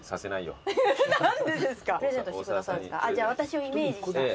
じゃ私をイメージした。